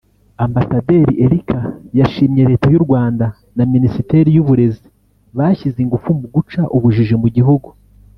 Ambasaderi Erica yashimye Leta y’u Rwanda na Minisiteri y’Uburezi bashyize ingufu mu guca ubujiji mu gihugu